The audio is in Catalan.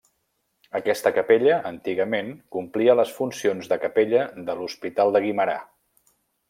Aquesta capella antigament complia les funcions de capella de l'Hospital de Guimerà.